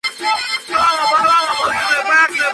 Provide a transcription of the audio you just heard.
Vive en el barrio de Mantilla, el mismo en el que nació.